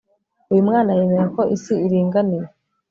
Uyu mwana yemera ko isi iringaniye